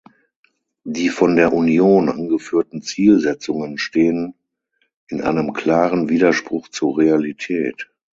Die von der Union angeführten Zielsetzungen stehen in einem klaren Widerspruch zur Realität.